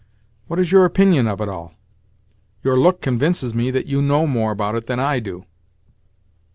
What is your opinion of it all? Your look convinces me that you know more about it than I do."